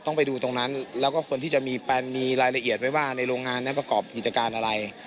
ต้องไปดูตรงนั้นแล้วก็คนที่จะมีรายละเอียดไว้ว่าในโรงงานนั้นประกอบกิจการอะไร